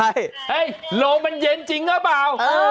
เฮ้ยลมมันเย็นจริงหรือเปล่า